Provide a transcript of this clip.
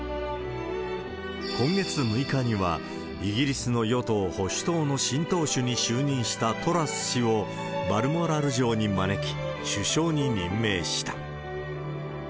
今月６日には、イギリスの与党・保守党の新党首に就任したトラス氏をバルモラル城に招き、首相に任命した。